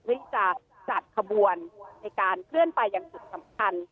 ที่จะจัดขบวนในการเคลื่อนไปอย่างจุดสำคัญ